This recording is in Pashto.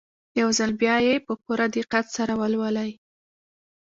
يو ځل بيا يې په پوره دقت سره ولولئ.